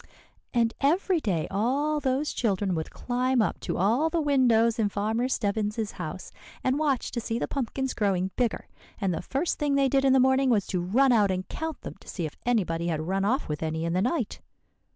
"And every day all those children would climb up to all the windows in Farmer Stebbins's house, and watch to see the pumpkins growing bigger. And the first thing they did in the morning was to run out and count them to see if anybody had run off with any in the night."